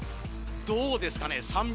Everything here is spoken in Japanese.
どうですかね